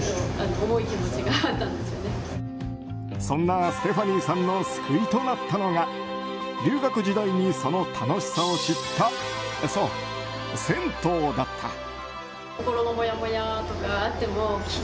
そんなステファニーさんの救いとなったのが留学時代にその楽しさを知ったそう、銭湯だった。